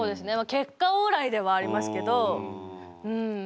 結果オーライではありますけどうん。